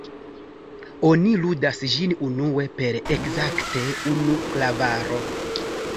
Oni ludas ĝin unue per ekzakte unu klavaro.